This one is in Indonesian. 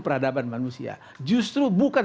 peradaban manusia justru bukan